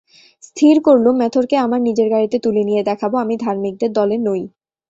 স্থির করলুম, মেথরকে আমার নিজের গাড়িতে তুলে নিয়ে দেখাব আমি ধার্মিকদের দলে নই।